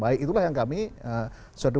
baik itulah yang kami sorry